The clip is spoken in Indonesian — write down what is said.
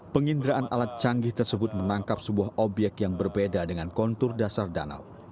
penginderaan alat canggih tersebut menangkap sebuah obyek yang berbeda dengan kontur dasar danau